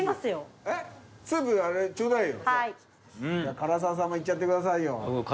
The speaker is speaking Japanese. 唐沢さんも行っちゃってください。